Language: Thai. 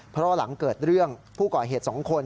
เพราะหลังเกิดเรื่องผู้ก่อเหตุ๒คน